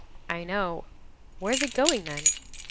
"I know." "Where is it going then?"